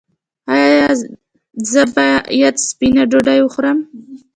ایا زه باید سپینه ډوډۍ وخورم؟